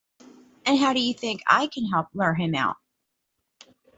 And how do you think I can help lure him out?